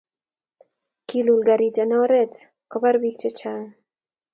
Kiul karit en oret kopar pik che chang